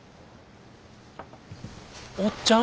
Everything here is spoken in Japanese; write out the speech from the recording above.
おっちゃん！